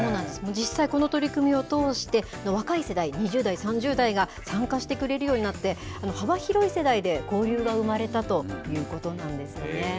実際にこの取り組みを通して、若い世代、２０代、３０代が参加してくれるようになって、幅広い世代で交流が生まれたということなんですよね。